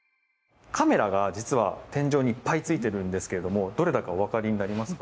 カメラが実は天井にいっぱいついてるんですけれどもどれだかおわかりになりますか？